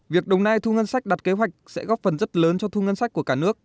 việc đồng nai thu ngân sách đặt kế hoạch sẽ góp phần rất lớn cho thu ngân sách của cả nước